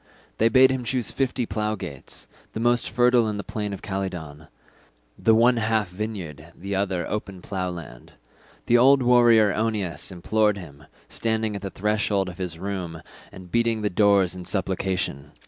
They bade him choose fifty plough gates, the most fertile in the plain of Calydon, the one half vineyard and the other open plough land. The old warrior Oeneus implored him, standing at the threshold of his room and beating the doors in supplication.